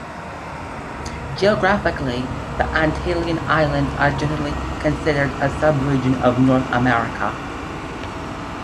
Geographically, the Antillean islands are generally considered a subregion of North America.